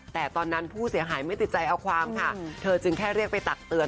แต่ตอนนั้นผู้เสียหายไม่ติดใจเอาความค่ะเธอจึงแค่เรียกไปตักเตือน